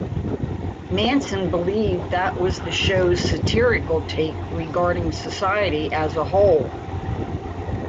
Manson believed that was the show's satirical take regarding society as a whole.